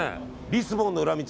リスボンの裏道。